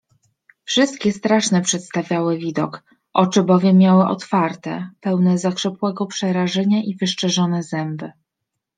Wszystkie straszny przedstawiały widok, oczy bowiem miały otwarte, pełne zakrzepłego przerażenia i wyszczerzone zęby.